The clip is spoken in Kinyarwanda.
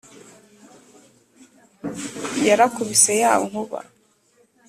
yarakubise ya nkuba